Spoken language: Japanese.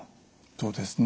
そうですね。